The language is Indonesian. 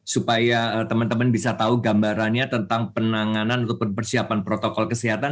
supaya teman teman bisa tahu gambarannya tentang penanganan ataupun persiapan protokol kesehatan